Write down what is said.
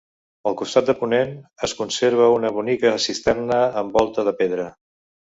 Al costat de ponent es conserva una bonica cisterna amb volta de pedra.